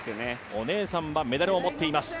お姉さんはメダルを持っています。